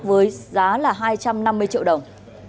với giá là hai trăm năm mươi triệu đồng